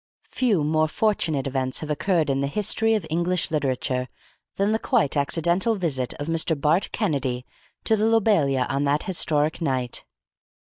Few more fortunate events have occurred in the history of English literature than the quite accidental visit of Mr. Bart Kennedy to the Lobelia on that historic night.